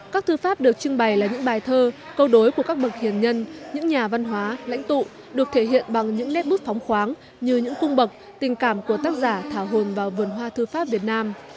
các thư pháp được trưng bày là những bài thơ câu đối của các bậc tiền nhân những nhà văn hóa lãnh tụ được thể hiện bằng những nét bút phóng khoáng như những cung bậc tình cảm của tác giả thả hồn vào vườn hoa thư pháp việt nam